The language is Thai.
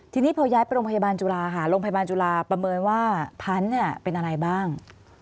ทีนี้พอย้ายไปโรงพยาบาลจุฬาค่ะโรงพยาบาลจุฬาประเมินว่าพันธุ์เป็นอะไรบ้าง